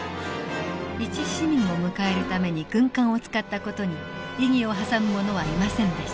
一市民を迎えるために軍艦を使った事に異議を挟む者はいませんでした。